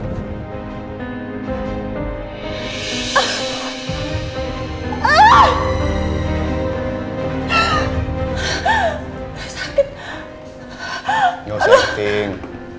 gak usah jepit